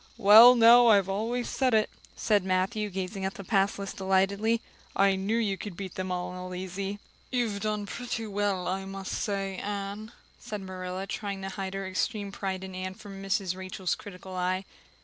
"Well now, I always said it," said Matthew, gazing at the pass list delightedly. "I knew you could beat them all easy." "You've done pretty well, I must say, Anne," said Marilla, trying to hide her extreme pride in Anne from Mrs. Rachel's critical eye.